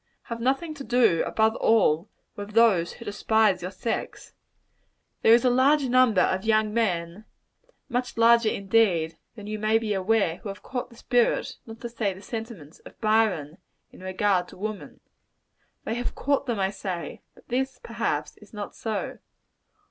Have nothing to do, above all, with those who despise your sex. There is a large number of young men much larger, indeed, than you may be aware, who have caught the spirit, not to say sentiments, of Byron, in regard to woman. They have caught them, I say; but this, perhaps, is not so.